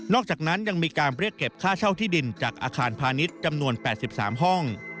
อกจากนั้นยังมีการเรียกเก็บค่าเช่าที่ดินจากอาคารพาณิชย์จำนวน๘๓ห้อง